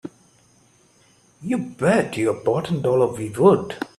You bet your bottom dollar we would!